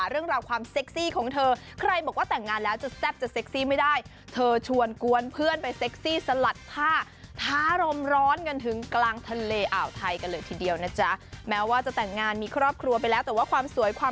เอองั้นไปอีกหนึ่งออร์ไหม